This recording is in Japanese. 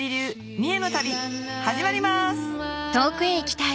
三重の旅始まります！